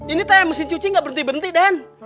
ini tayang mesin cuci nggak berhenti berhenti den